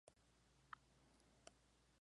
La Estrella es conocida como el "Municipio Verde".